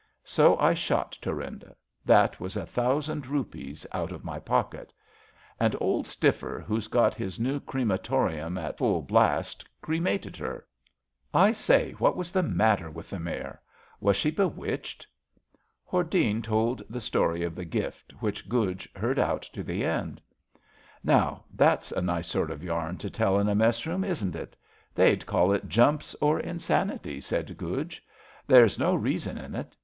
'' So I SLEIPNEE,^^ LATE ^^THUEINDA 145 shot Thurinda; that was a thousand rupees out of my pocket And old Stiffer, who's got his new crematorium in full blast, cremated her. I say, what was the matter with the maret Was she be witched! '* Hordene told the story of the gift, which Guj heard out to the end. Now, that's a nice sort of yam to tell in a messroom, isn't itt They'd call it jumps or insanity, said Guj. There's no reason in it.